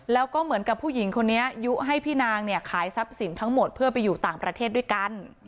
แล้วก็เหมือนกับผู้หญิงคนนี้ยุให้พี่นางเนี่ยขายทรัพย์สินทั้งหมดเพื่อไปอยู่ต่างประเทศด้วยกัน